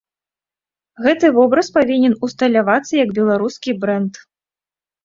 Гэты вобраз павінен усталявацца як беларускі брэнд.